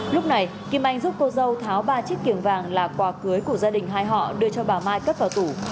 lúc này kim anh giúp cô dâu tháo ba chiếc kiềng vàng là quà cưới của gia đình hai họ đưa cho bà mai cất vào tủ